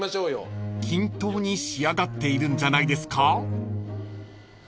［均等に仕上がっているんじゃないですか？］